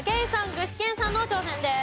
具志堅さんの挑戦です。